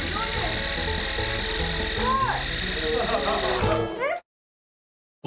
すごい！